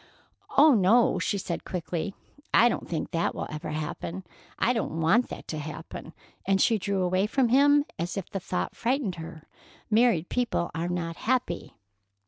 "Oh, no," she said quickly; "I don't think that will ever happen. I don't want that to happen;" and she drew away from him as if the thought frightened her. "Married people are not happy."